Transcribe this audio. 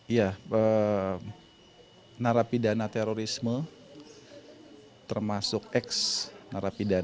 iya narapidana terorisme termasuk ex narapidana